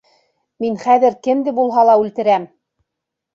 Мин хәҙер кемде булһа ла үлтерәм!